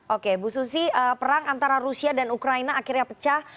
oke bu susi perang antara rusia dan ukraina akhirnya pecah